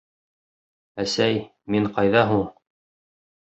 — Әсәй, мин ҡайҙа һуң?!